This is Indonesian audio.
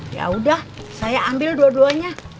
ya udah saya ambil dua duanya